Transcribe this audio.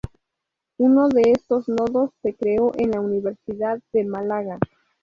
Uno de estos nodos se creó en la Universidad de Málaga.